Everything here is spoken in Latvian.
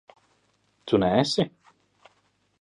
Tu neesi?